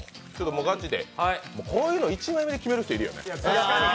ガチで、こういうの１枚目で決める人いるよね。